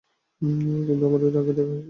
কিন্তু আমাদের আগে দেখা হয়েছে।